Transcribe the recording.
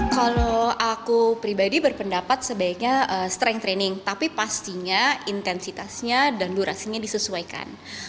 kalau aku pribadi berpendapat sebaiknya strength training tapi pastinya intensitasnya dan durasinya disesuaikan